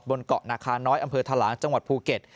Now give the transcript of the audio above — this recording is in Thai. บนเกาะนาคาน้อยอำเภอทะลางจังหวัดภูเก็ต